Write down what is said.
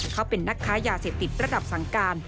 เขาเป็นนักค้ายาเสพติดระดับสังการ